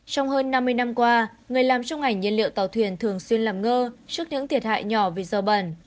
trong hơn năm mươi năm qua người làm trong ngành nhiên liệu tàu thuyền thường xuyên làm ngơ trước những thiệt hại nhỏ về dầu bẩn